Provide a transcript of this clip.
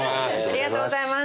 ありがとうございます。